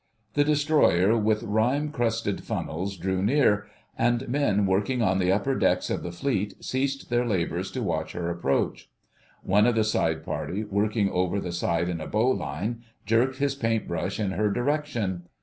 The Destroyer with rime crusted funnels drew near, and men working on the upper decks of the Fleet ceased their labours to watch her approach. One of the side party, working over the side in a bowline, jerked his paint brush in her direction.